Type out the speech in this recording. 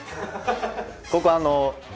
ここあの僕。